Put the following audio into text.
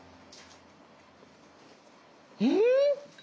うん？